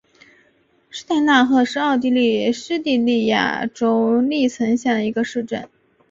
施泰纳赫是奥地利施蒂利亚州利岑县的一个市镇。